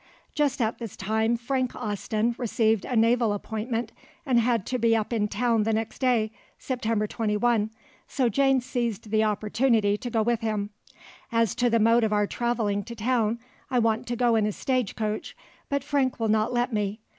Just at this time Frank Austen received a naval appointment, and had to be up in town the next day, September 21, so Jane seized the opportunity to go with him. "As to the mode of our travelling to town, I want to go in a stage coach, but Frank will not let me."